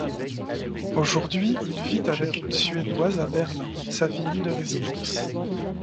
Aujourd'hui, il vit avec une Suédoise à Berlin, sa ville de résidence.